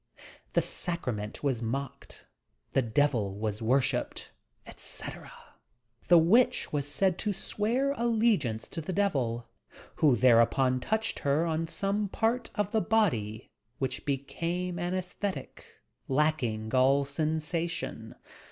The sacrament was mocked, the devil was worshipped, etc. The witch was said to swear allegiance to the devil, who thereupon touched her on some part of the body which became aniesthetic, — lacking all sensation.